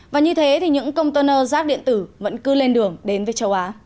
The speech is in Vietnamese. và như thế những công tơ nơ rác điện tử vẫn cứ lên đường đến với châu á